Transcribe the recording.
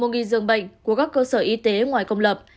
một giường bệnh của các cơ sở y tế ngoài công lập